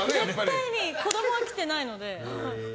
絶対に子供は来てないので。